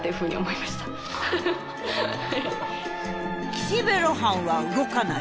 「岸辺露伴は動かない」。